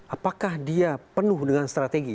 apakah dia penuh dengan strategi